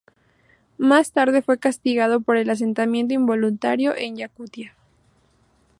Más tarde, fue castigado por el asentamiento involuntario en Yakutia.